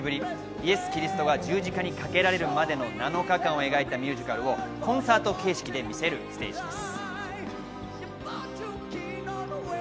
イエス・キリストが十字架にかけられるまでの７日間を描いたミュージカルをコンサート形式で見せるステージです。